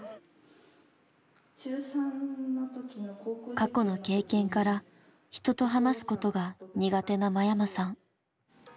過去の経験から人と話すことが苦手な間山さん。